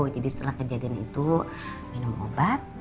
jadi setelah kejadian itu minum obat